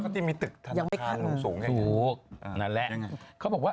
ที่มีตึกธนทานถูก